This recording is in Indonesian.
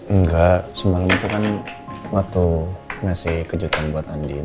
enggak semalam itu kan waktu ngasih kejutan buat andin